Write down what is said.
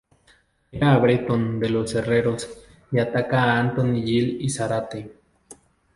Admira a Bretón de los Herreros y ataca a Antonio Gil y Zárate.